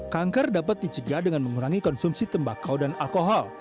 kanker dapat dicegah dengan mengurangi konsumsi tembakau dan alkohol